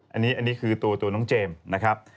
อันนี้คือตัวน้องเจมส์นะครับ